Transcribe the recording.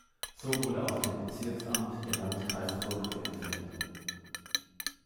So wurde aus dem Bezirksamt der Landkreis Burglengenfeld.